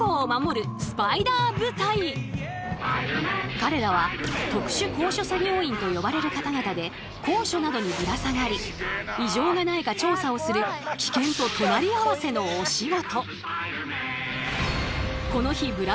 彼らは特殊高所作業員と呼ばれる方々で高所などにぶら下がり異常がないか調査をする危険と隣り合わせのお仕事。